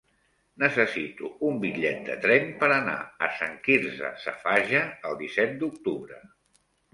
Necessito un bitllet de tren per anar a Sant Quirze Safaja el disset d'octubre.